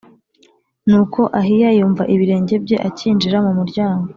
Nuko Ahiya yumva ibirenge bye acyinjira mu muryango